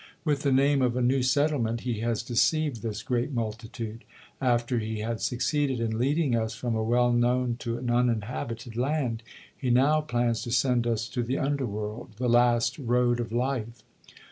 With the name of a new settlement he has deceived this great multitude; after he had succeeded in leading us from a well known to an uninhabited land, he now plans to send us to the underworld, the last road of life.